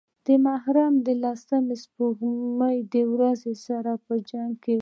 د محرم د لسمې سپوږمۍ د وريځو سره پۀ جنګ وه